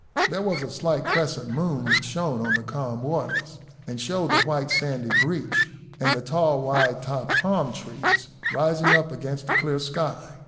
There was a slight crescent moon, which shone on the calm waters and showed the white sandy breach and the tall wide topped palm trees rising up against the clear sky.